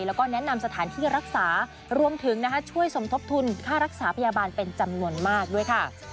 แล้วก็แนะนำสถานที่รักษารวมถึงช่วยสมทบทุนค่ารักษาพยาบาลเป็นจำนวนมากด้วยค่ะ